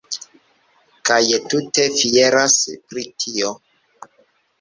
Kaj tute fieras pri tio!